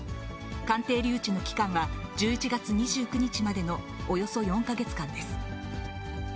鑑定留置の期間は、１１月２９日までのおよそ４か月間です。